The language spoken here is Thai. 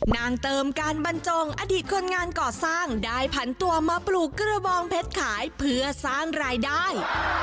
นางเติมการบรรจงอดีตคนงานก่อสร้างได้พันตัวมาปลูกกระบองเพชรขายเพื่อสร้างรายได้